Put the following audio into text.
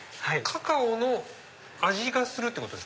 カカオの味がするってこと？